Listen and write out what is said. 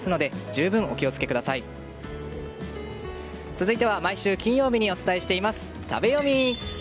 続いては毎週金曜日にお伝えしています、食べヨミ！